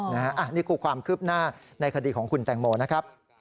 นี่คือความคืบหน้าในคดีของคุณแตงโมนะครับ